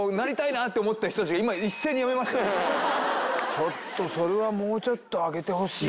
ちょっとそれはもうちょっと上げてほしいな。